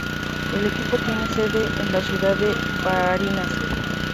El equipo tiene sede en la ciudad de Barinas.